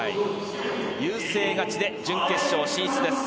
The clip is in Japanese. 優勢勝ちで準決勝進出です。